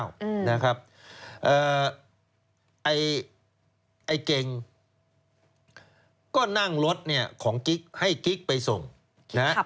อืมนะครับเอ่อไอ้เกงก็นั่งรถเนี้ยของกิ๊กให้กิ๊กไปส่งนะครับ